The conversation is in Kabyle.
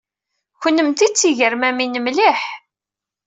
Kennemti d tigermamin mliḥ.